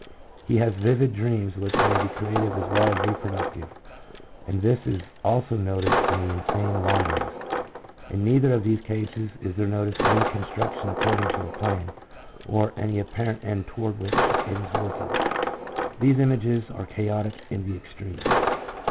He has vivid dreams which may be creative as well as reproductive, and this is also noticed in his insane wanderings. In neither of these cases is there noticed any construction accord ing to a plan, or any apparent end toward which it is working. These images are chaotic in the extreme.